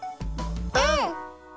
うん！